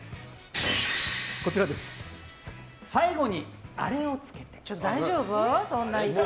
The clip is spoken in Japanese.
最後にアレをつけて。